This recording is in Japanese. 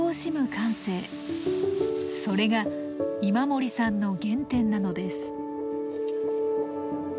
それが今森さんの原点なのです。